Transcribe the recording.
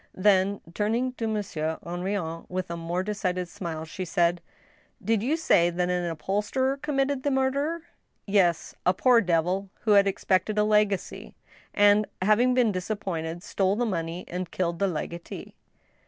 Then, turning to Monsieur Hen rion with a more decided smile, she said :" Did you say that an upholsterer committed the murder ?"Yes ; a poor devil who had expected a legacy, and, having been disappointed, stole the money and killed the legatee."